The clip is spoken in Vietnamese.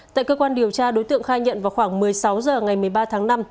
tại cơ quan điều tra đối tượng khai nhận vào khoảng một mươi sáu h ngày một mươi ba tháng năm